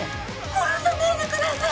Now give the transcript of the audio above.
殺さないでください！